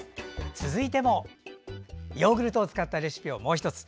続いてもヨーグルトを使ったレシピをもう１つ。